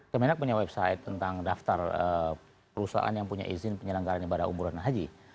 kemenak punya website tentang daftar perusahaan yang punya izin penyelenggaran ibadah umroh dan haji